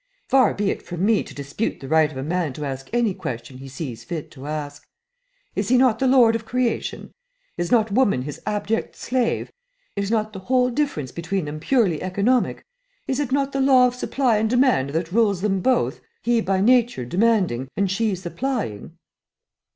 "Far be it from me to dispute the right of a man to ask any question he sees fit to ask. Is he not the lord of creation? Is not woman his abject slave? I not the whole difference between them purely economic? Is it not the law of supply and demand that rules them both, he by nature demanding and she supplying?"